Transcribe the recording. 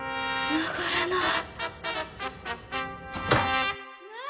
流れない！